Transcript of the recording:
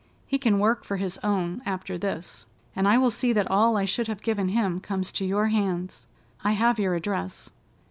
He can work for his own after this, and I will see that all I should have given him comes to your hands. I have your address.